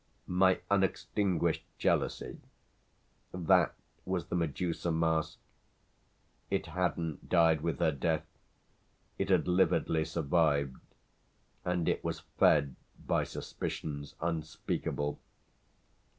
My unextinguished jealousy that was the Medusa mask. It hadn't died with her death, it had lividly survived, and it was fed by suspicions unspeakable.